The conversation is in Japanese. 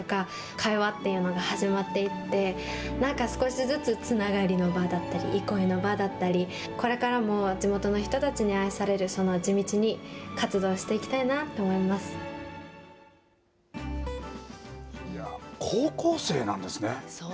会話っていうのが始まっていって何か少しずつ、つながりの場だったり憩いの場だったりこれからも地元の人たちに愛されるよう地道に活動していきたいなと高校生なんですね。